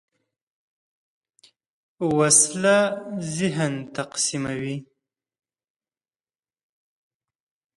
وسله ذهن تقسیموي